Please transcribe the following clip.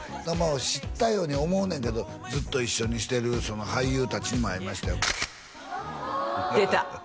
知ったように思うねんけどずっと一緒にしてる俳優達にも会いましたよ出た！